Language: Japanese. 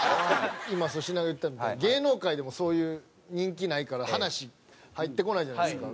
今粗品が言ったみたいに芸能界でもそういう人気ないから話入ってこないじゃないですか。